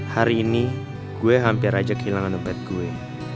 hari ini gue hampir aja kehilangan dompet gue